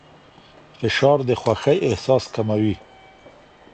فشار د خوښۍ احساس کموي.